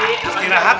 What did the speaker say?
istirahat kan enak